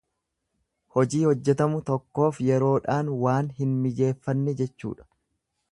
Hojii hojjetamu tokkoof yeroodhaan waan hin mijeeffanne jechuudha.